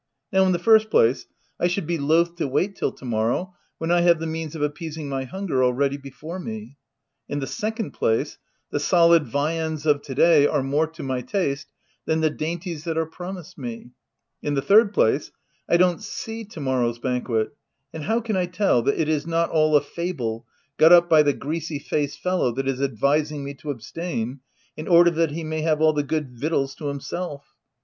Now in the first place, I should be loath to wait till to morrow, when I have the means of appeasing my hunger already be fore me ; in the second place, the solid viands of to day are more to my taste than the dainties that are promised me ; in the third place, I don't see to morrow's banquet, and how can I tell that it is not all a fable, got up by the greasy faced fellow that is advising me to ab stain, in order that he may have all the good victuals to himself?